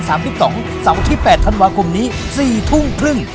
เสาร์ที่๘ธันวาคมนี้๔ทุ่งครึ่ง